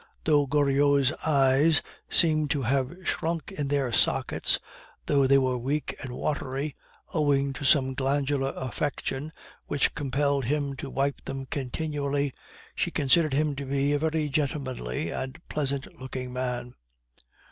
Though Goriot's eyes seemed to have shrunk in their sockets, though they were weak and watery, owing to some glandular affection which compelled him to wipe them continually, she considered him to be a very gentlemanly and pleasant looking man.